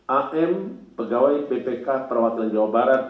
am pegawai bpk perwakilan jawa barat